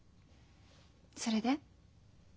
それで？